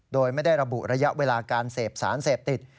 โดยไม่ได้ระบุระยะเวลาการเสพสารเสพติด